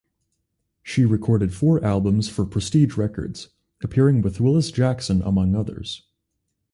She recorded four albums for Prestige Records, appearing with Willis Jackson among others.